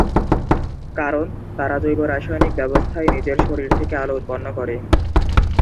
কারণ, তারা জৈব রাসায়নিক ব্যবস্থায় নিজের শরীর থেকে আলো উৎপন্ন করে।